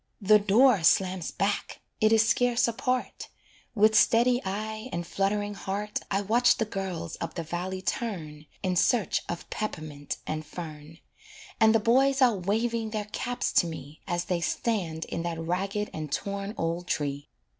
The door slams back, it is scarce apart; With steady eye and fluttering heart, I watch the girls up the valley turn, In search of peppermint and fern; And the boys are waving their caps to me, As they stand in that ragged and torn old tree.